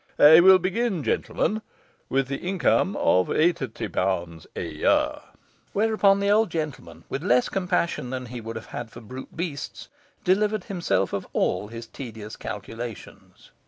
I will begin, gentlemen, with the income of eighty pounds a year.' Whereupon the old gentleman, with less compassion than he would have had for brute beasts, delivered himself of all his tedious calculations.